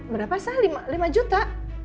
berapa sah lima juta